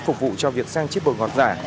phục vụ cho việc sang chích bột ngọt giả